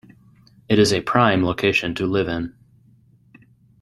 It is a prime location to live in.